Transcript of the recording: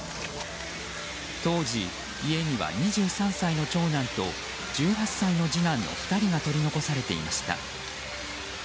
当時、家には２３歳の長男と１８歳の次男の２人が取り残されていました。